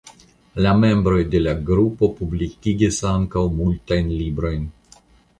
La membroj de la grupo publikigis ankaŭ multajn librojn.